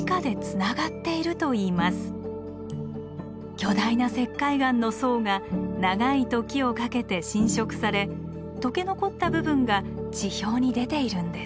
巨大な石灰岩の層が長い時をかけて浸食され溶け残った部分が地表に出ているんです。